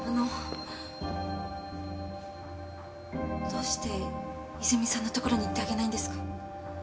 どうして泉さんのところに行ってあげないんですか？